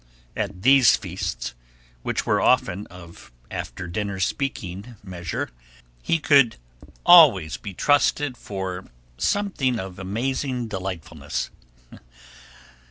At these feasts, which were often of after dinner speaking measure, he could always be trusted for something of amazing delightfulness.